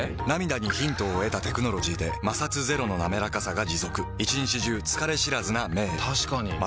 涙にヒントを得たテクノロジーで摩擦ゼロのなめらかさが持続一日中疲れ知らずな目へ確かに。